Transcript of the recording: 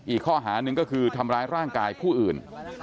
อีกข้อหาหนึ่งก็คือทำร้ายร่างกายผู้อื่น